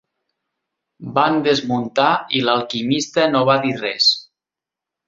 Van desmuntar i l'alquimista no va dir res.